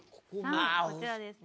こちらですね。